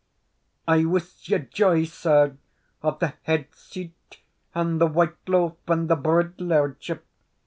"I wuss ye joy, sir, of the head seat and the white loaf and the brid lairdship.